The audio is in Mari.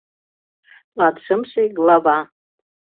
Латшымше глава